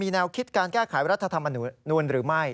สิทธิ์การแก้ไขรัฐธรรมนุนหรือไม่